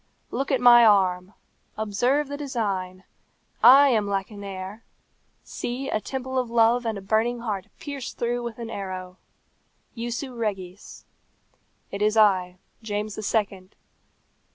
Look at my arm! Observe the design! I am Lacenaire! See, a temple of love and a burning heart pierced through with an arrow! Jussu regis. It is I, James the Second.